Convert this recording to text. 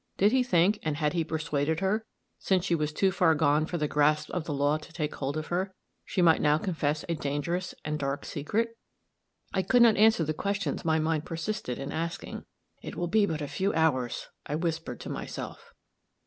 Did he think, and had he persuaded her, since she was too far gone for the grasp of the law to take hold of her, she might now confess a dangerous and dark secret? I could not answer the questions my mind persisted in asking. "It will be but a few hours," I whispered to myself.